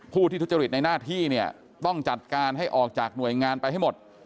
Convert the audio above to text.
ผู้ที่ทุจริตในหน้าที่เนี่ยต้องจัดการให้ออกจากหน่วยงานไปให้หมด